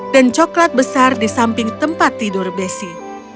dan coklat besar di samping tempat tidur bessie